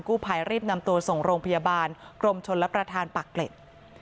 ผู้ภัยรีบนำตัวส่งโรงพยาบาลกรมชนรับประทานปากเกร็ด